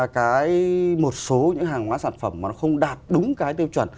cái một số những hàng hóa sản phẩm mà nó không đạt đúng cái tiêu chuẩn